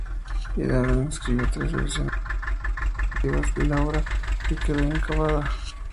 Hölderlin escribió tres versiones distintas y sucesivas de la obra, que quedó inacabada.